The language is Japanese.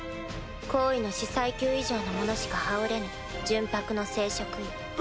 高位の司祭級以上の者しか羽織れぬ純白の聖職衣。